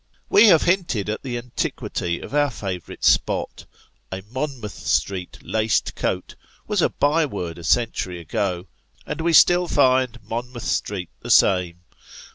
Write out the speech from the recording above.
We have hinted at the antiquity of our favourite spot. " A Mon mouth Street laced coat " was a by word a century ago ; and still we find Monmouth Street the same.